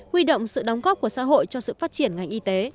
huy động sự đóng góp của xã hội cho sự phát triển ngành y tế